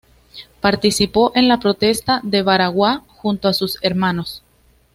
Participó en la Protesta de Baraguá junto a sus hermanos.